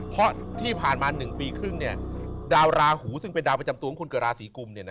เพราะที่ผ่านมา๑ปีครึ่งดาวราหูซึ่งเป็นดาวประจำตัวของคนเกิดราศีกุม